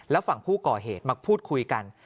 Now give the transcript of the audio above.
แล้วฝั่งผู้ก่อเหตุมาพูดคุยกัน